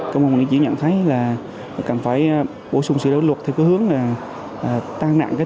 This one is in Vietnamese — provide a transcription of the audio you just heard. công an nguyễn chỉ nhận thấy là cần phải bổ sung sự đối luật theo cái hướng là tăng nặng cái